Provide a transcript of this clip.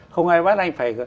không ai bắt anh phải